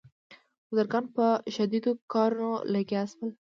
بزګران په شدیدو کارونو لګیا شول.